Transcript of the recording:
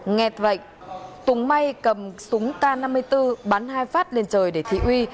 nghe vậy tùng may cầm súng t năm mươi bốn bắn hai phát lên trời để thị uy